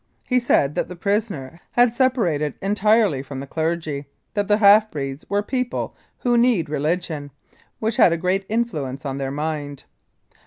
He said that the prisoner had separated entirely from the clergy : that the half breeds were people who need religion, which had a great influence on their mind.